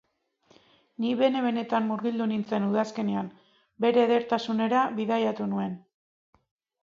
Ni bene-benetan murgildu nintzen udazkenean, bere edertasunera bidaiatu nuen.